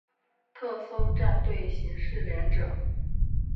特搜战队刑事连者。